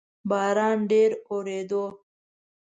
باران ډیر اوورېدو